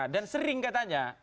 dan sering katanya